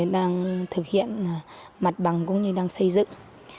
đang thực hiện mặt bằng cũng như đang xây dựng